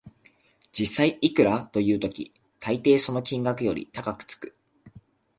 実質いくらという時、たいていその金額より高くつく